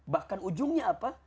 bahkan ujungnya apa